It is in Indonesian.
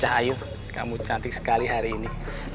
cahayu kamu cantik sekali hari ini